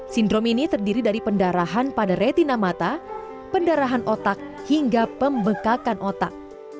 sindrom ini terdiri dari pendarahan pada retina mata pendarahan otak hingga pembekakan otak